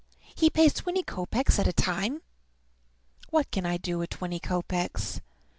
He pays twenty kopeks at a time! What can I do with twenty kopeks?